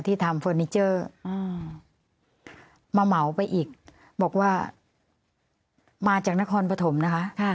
ทำเฟอร์นิเจอร์มาเหมาไปอีกบอกว่ามาจากนครปฐมนะคะ